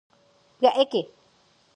¡Pya'éke!